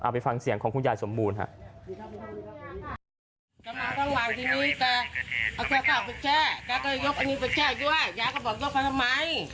เอาไปฟังเสียงของคุณยายสมบูรณ์ฮะ